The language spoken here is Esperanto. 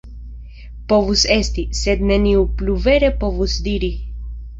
Povus esti, sed neniu plu vere povus diri.